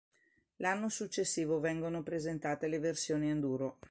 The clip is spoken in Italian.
L'anno successivo vengono presentate le versioni enduro.